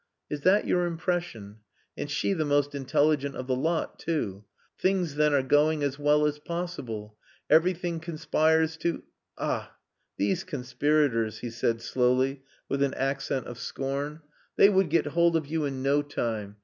"Is that your impression? And she the most intelligent of the lot, too. Things then are going as well as possible. Everything conspires to...Ah! these conspirators," he said slowly, with an accent of scorn; "they would get hold of you in no time!